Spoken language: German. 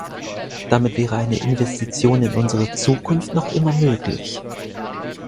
Damit wäre eine Investition in unsere Zukunft noch immer möglich.